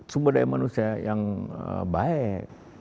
sumber daya manusia yang baik